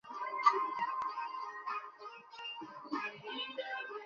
চাপ অনেক গুরুত্বপূর্ণ।